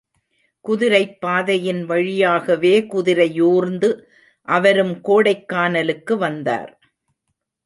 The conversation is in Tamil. குதிரைப் பாதையின் வழியாகவே குதிரையூர்ந்து அவரும் கோடைக்கானலுக்கு வந்தார்.